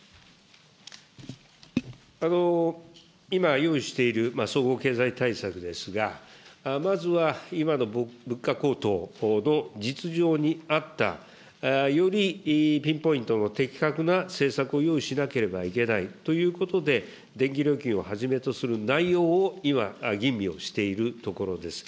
今用意している総合経済対策ですが、まずは今の物価高騰の実情に合った、よりピンポイントの的確な政策を用意しなければいけないということで、電気料金をはじめとする内容を今、吟味をしているところです。